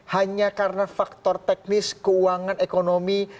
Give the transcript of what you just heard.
hanya karena faktor teknis keuangan ekonomi